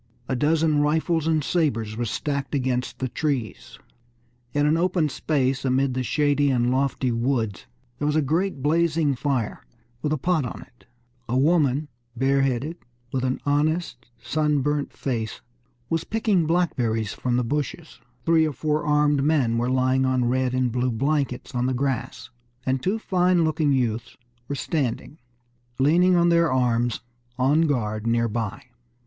A dozen rifles and sabres were stacked against the trees. In an open space, amid the shady and lofty woods, there was a great blazing fire with a pot on it; a woman, bareheaded, with an honest sunburnt face, was picking blackberries from the bushes; three or four armed men were lying on red and blue blankets on the grass; and two fine looking youths were standing, leaning on their arms, on guard near by....